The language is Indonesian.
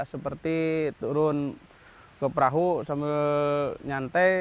seperti turun ke perahu sambil nyantai